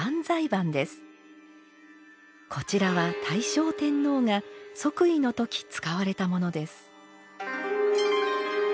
こちらは大正天皇が即位の時使われたものです。